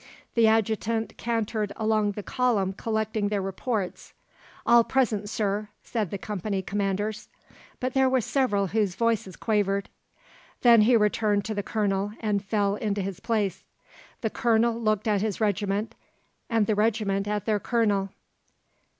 The Adjutant cantered along the column collecting the reports. "All present, Sir," said the company commanders, but there were several whose voices quavered. Then he returned to the Colonel, and fell into his place. The Colonel looked at his regiment, and the regiment at their Colonel.